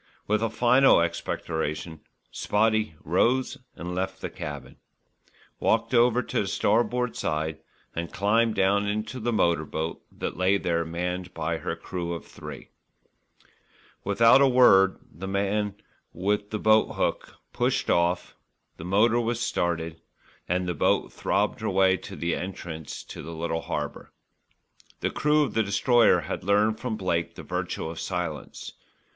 With a final expectoration, "Spotty" rose and left the cabin, walked over to the starboard side and climbed down into the motor boat that lay there manned by her crew of three men. Without a word the man with the boat hook pushed off, the motor was started and the boat throbbed her way to the entrance to the little harbour. The crew of the Destroyer had learned from Blake the virtue of silence.